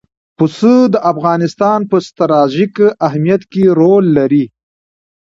پسه د افغانستان په ستراتیژیک اهمیت کې رول لري.